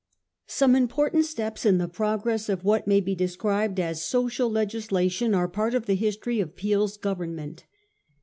Some important steps in the progress of what may be described as social legislation are part of the history of Peel's Government.